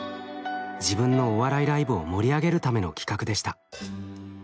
自分のお笑いライブを盛り上げるための企画でした。